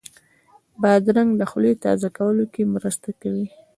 بادرنګ د خولې تازه کولو کې مرسته کوي.